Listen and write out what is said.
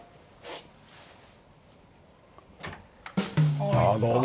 ああどうも。